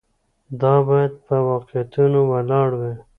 دا باید په واقعیتونو ولاړ وي.